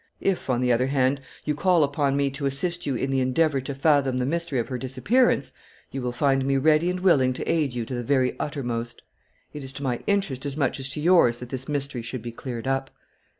If, on the other hand, you call upon me to assist you in the endeavour to fathom the mystery of her disappearance, you will find me ready and willing to aid you to the very uttermost. It is to my interest as much as to yours that this mystery should be cleared up."